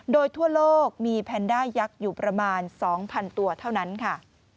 โดยทั่วโลกมีแพนด้ายักษ์อยู่ประมาณ๒๐๐๐ตัวเท่านั้นค่ะ